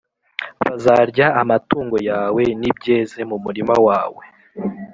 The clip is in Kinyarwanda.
bazarya amatungo yawe n’ibyeze mu murima wawe,